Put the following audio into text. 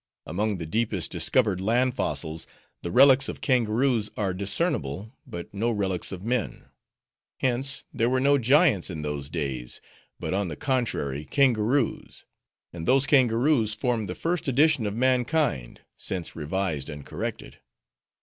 Among the deepest discovered land fossils, the relics of kangaroos are discernible, but no relics of men. Hence, there were no giants in those days; but on the contrary, kangaroos; and those kangaroos formed the first edition of mankind, since revised and corrected."